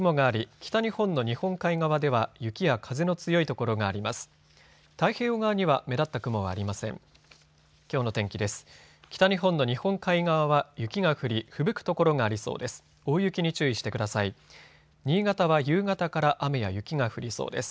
北日本の日本海側は雪が降りふぶく所がありそうです。